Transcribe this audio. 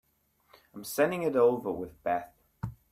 I'm sending it over with Beth.